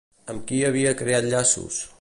Amb qui havia creat llaços?